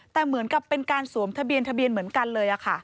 แต่เหมือนกับเป็นการสวมทะเบียนทะเบียนเหมือนกันเลย